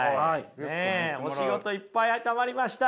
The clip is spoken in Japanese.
ねえお仕事いっぱいたまりました。